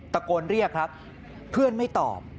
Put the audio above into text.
ตะโกนเรียกครับเพื่อนไม่ตอบ